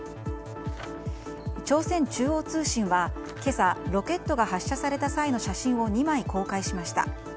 朝鮮中央通信は今朝ロケットが発射された際の写真を２枚、公開しました。